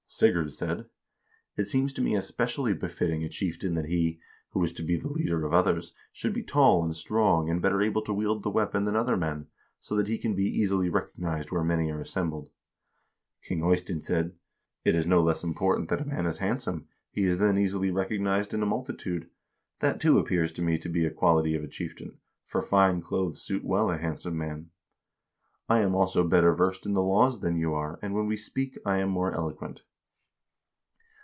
Sigurd said :' It seems to me especially befitting a chieftain that he, who is to be the leader of others, should be tall and strong, and better able to wield the weapon than other men, so that he can be easily recognized where many are assembled.' King Eystein said : 'It is no less important that a man is handsome, he is then easily recognized in a multitude ; that, too, appears to me to be a quality of a chieftain, for fine clothes suit well a handsome man. I am also better versed in the laws than you are, and when we speak, I am more eloquent.'